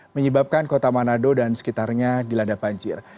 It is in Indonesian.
menyebabkan kota manado dan sekitarnya dilanda banjir